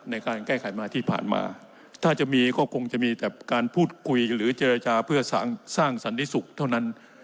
ในการแก้ไขมาที่ผ่านมาถ้าจะมีก็คงจะมีแต่การพูดคุยหรือเจรจาเพื่อสร้างสันติสุขเท่านั้น